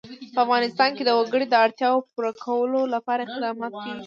په افغانستان کې د وګړي د اړتیاوو پوره کولو لپاره اقدامات کېږي.